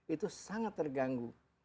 itu sangat terganggu